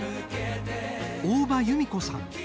大場裕美子さん。